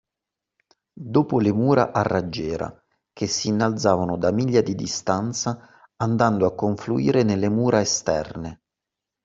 Dopo le mura a raggiera, che si innalzavano da miglia di distanza andando a confluire nelle mura esterne